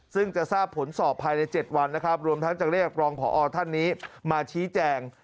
ซึ่งจะทราบผลสอบภายใน๗วันนะครับรวมทั้งจะเรียกรองพอท่านนี้มาชี้แจง